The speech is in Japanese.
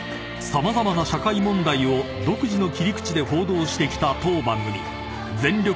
［様々な社会問題を独自の切り口で報道してきた当番組『全力！